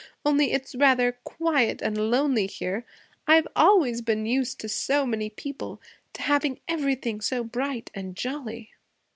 Only it's rather quiet and lonely here. I've always been used to so many people to having everything so bright and jolly.'